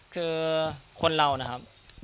คือคนเรานะครับ